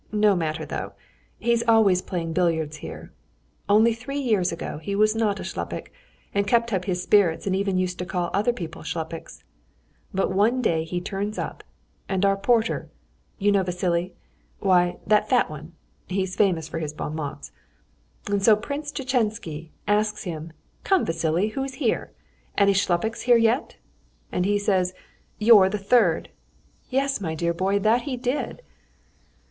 No matter, though. He's always playing billiards here. Only three years ago he was not a shlupik and kept up his spirits and even used to call other people shlupiks. But one day he turns up, and our porter ... you know Vassily? Why, that fat one; he's famous for his bon mots. And so Prince Tchetchensky asks him, 'Come, Vassily, who's here? Any shlupiks here yet?' And he says, 'You're the third.' Yes, my dear boy, that he did!"